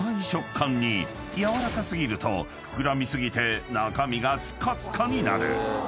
［柔らか過ぎると膨らみ過ぎて中身がスカスカになる］